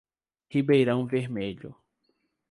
Ribeirão Vermelho